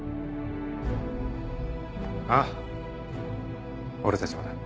ああ俺たちもだ。